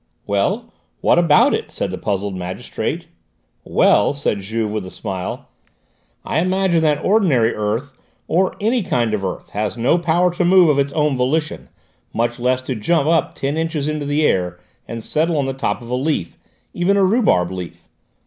"Well, what about it?" said the puzzled magistrate. "Well," said Juve with a smile, "I imagine that ordinary earth, or any kind of earth, has no power to move of its own volition, much less to jump up ten inches into the air and settle on the top of a leaf, even a rhubarb leaf!